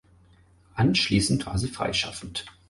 Anschließend war sie freischaffend.